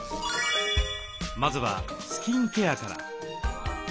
まずはスキンケアから。